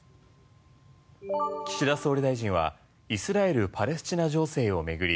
岸田総理大臣はイスラエル・パレスチナ情勢を巡り